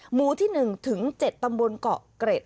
หมู่ที่๑ถึง๗ตำบลเกาะเกร็ด